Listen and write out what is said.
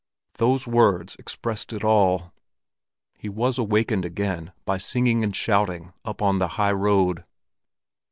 Those words expressed it all. He was awakened again by singing and shouting up on the high road.